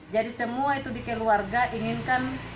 jadi semua itu dikeluarga inginkan